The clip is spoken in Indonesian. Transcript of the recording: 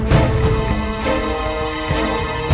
mbak biji aik yang lalu